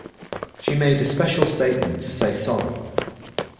She made a special statement to say sorry